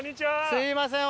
すいません！